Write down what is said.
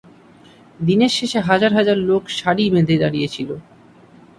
দিনের শেষে হাজার হাজার লোক সারি বেঁধে দাঁড়িয়েছিল।